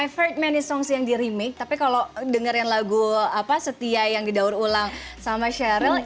i've heard many songs yang di remake tapi kalau dengerin lagu setia yang didaur ulang sama cheryl